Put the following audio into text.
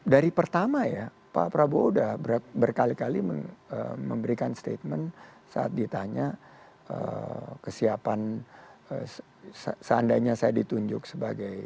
dari pertama ya pak prabowo sudah berkali kali memberikan statement saat ditanya kesiapan seandainya saya ditunjuk sebagai